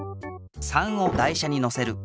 ３を台車にのせる。